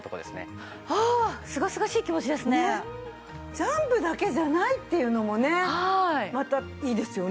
ジャンプだけじゃないっていうのもねまたいいですよね。